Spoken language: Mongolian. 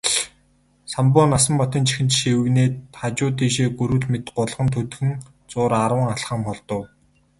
Самбуу Насанбатын чихэнд шивгэнээд хажуу тийшээ гүрвэл мэт гулган төдхөн зуур арваад алхам холдов.